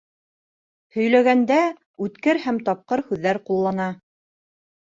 Һөйләгәндә үткер һәм тапҡыр һүҙҙәр ҡуллана.